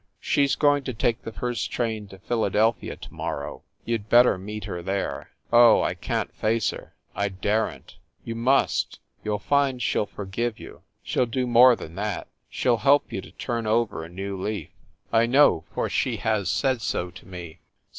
She s going to take the first train to Philadelphia to morrow. You d better meet her there." "Oh, I can t face her! I daren t!" "You must. You ll find she ll forgive you she ll do more than that she ll help you to turn over a new leaf. I know, for she has said so to me."